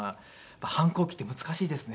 反抗期って難しいですね。